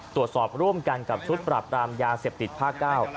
ตรวจสอบร่วมกันกับชุดปราบรามยาเสพติดภาคเก้า